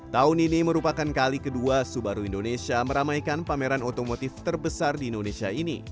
tahun ini merupakan kali kedua subaru indonesia meramaikan pameran otomotif terbesar di indonesia ini